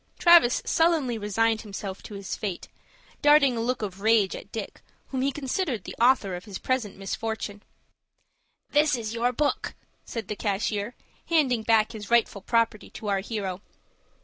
Travis sullenly resigned himself to his fate, darting a look of rage at Dick, whom he considered the author of his present misfortune. "This is your book," said the cashier, handing back his rightful property to our hero.